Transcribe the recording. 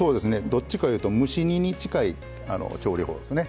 どっちかいうと蒸し煮に近い調理法ですね。